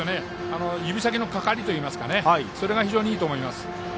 指先のかかりといいますかそれが非常にいいと思います。